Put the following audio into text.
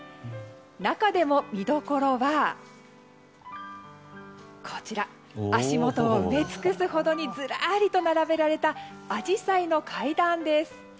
中でも見どころは足元を埋め尽くすほどにずらりと並べられたアジサイの階段です。